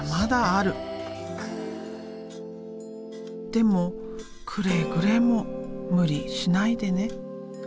でもくれぐれも無理しないでね。